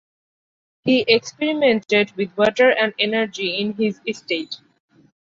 He experimented with water and energy in his estate.